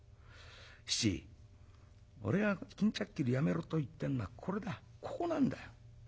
七俺が巾着切りやめろと言ってんのはこれだここなんだよ。